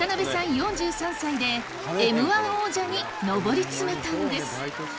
４３歳でＭ−１王者に上り詰めたんです！